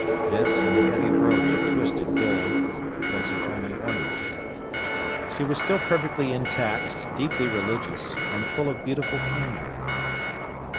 This, and a heavy brooch of twisted gold, was her only ornament. She was still perfectly intact, deeply religious, and full of beautiful candour.